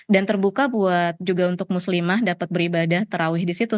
dan terbuka buat juga untuk muslimah dapat beribadah tarawih di situ